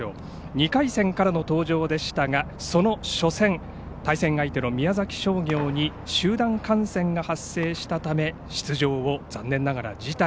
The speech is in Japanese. ２回戦からの登場でしたがその初戦対戦相手の宮崎商業に集団感染が発生したため出場を残念ながら辞退。